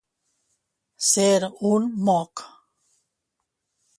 Ser un moc.